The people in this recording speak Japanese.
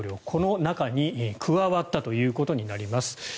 この中に加わったということになります。